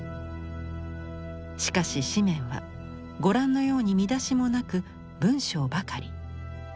しかし紙面はご覧のように見出しもなく文章ばかり。